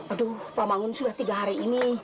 aduh pak mangun sudah tiga hari ini